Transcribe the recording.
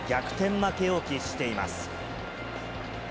負けを喫しています。